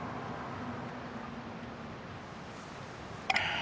あ。